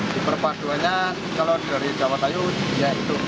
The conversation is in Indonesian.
di perpaduannya kalau dari dawet ayu ya itu